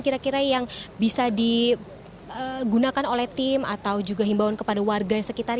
apa saja yang kira kira yang bisa digunakan oleh tim atau juga himbauan kepada warga sekitar